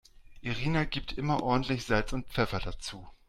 Irina gibt immer ordentlich Salz und Pfeffer dazu.